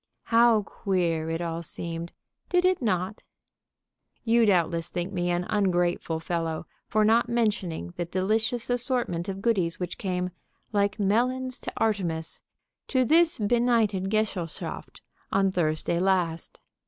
How queer it all seemed! Did it not? You doubtless think me an ungrateful fellow for not mentioning the delicious assortment of goodies which came, like melons to Artemis, to this benighted gesellschaft on Thursday last.